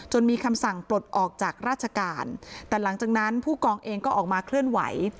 มีคำสั่งปลดออกจากราชการแต่หลังจากนั้นผู้กองเองก็ออกมาเคลื่อนไหว